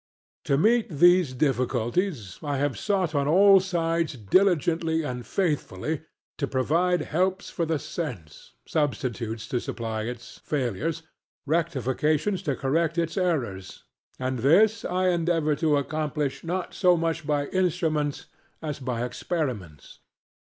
To meet these difficulties, I have sought on all sides diligently and faithfully to provide helps for the sense substitutes to supply its failures, rectifications to correct its errors; and this I endeavour to accomplish not so much by instruments as by experiments.